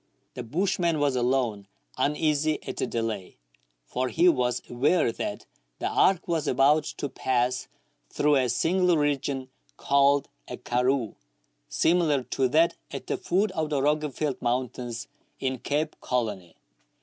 The bushman was alone uneasy at the delay, for he was aware that the arc was about to pass through a singular region called a "karroo," similar to that at the foot of the Roggeveld mountains in Cape Colony.